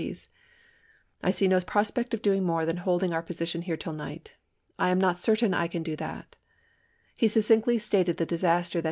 ties :" I see no prospect of doing more than holding Long, our position here till night. I am not certain I can Me2Jolr8 do that." He succinctly stated the disaster that Vegi!